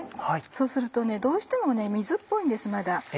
そうするとどうしても水っぽいんですまだ。